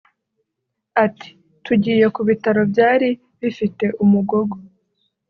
Ati “Tugiye ku bitaro byari bifite Umugogo